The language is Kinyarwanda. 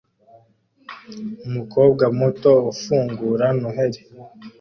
Umukobwa muto ufungura Noheri